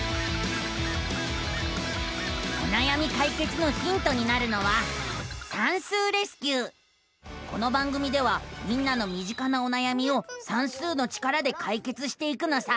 おなやみかいけつのヒントになるのはこの番組ではみんなのみ近なおなやみを算数の力でかいけつしていくのさ！